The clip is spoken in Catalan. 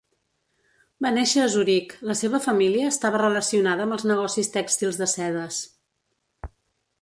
Va néixer a Zuric, la seva família estava relacionada amb els negocis tèxtils de sedes.